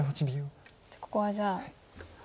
ここはじゃあ。